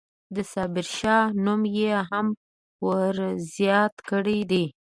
د صابرشاه نوم یې هم ورزیات کړی دی.